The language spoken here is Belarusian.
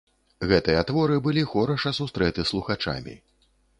Гэтыя творы былі хораша сустрэты слухачамі.